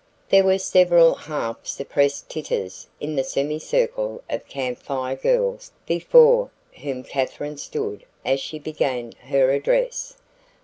There were several half suppressed titters in the semicircle of Camp Fire Girls before whom Katherine stood as she began her address.